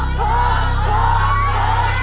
โทษโทษโทษ